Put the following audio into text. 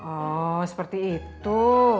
oh seperti itu